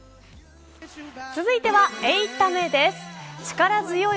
続いては８タメです。